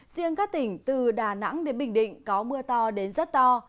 riêng các tỉnh từ đà nẵng đến bình định có mưa to đến rất to